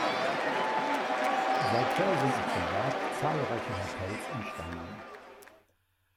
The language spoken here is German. Seither sind auf dem Berg zahlreiche Hotels entstanden.